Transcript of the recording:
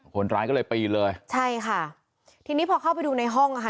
คนร้ายก็เลยปีนเลยใช่ค่ะทีนี้พอเข้าไปดูในห้องอ่ะค่ะ